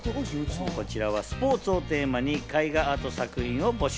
こちらはスポーツをテーマに絵画アート作品を募集。